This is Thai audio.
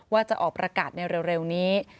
ว่าจะออกประกาศในเร็วนี้